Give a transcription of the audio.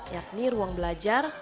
yakni ruang belajar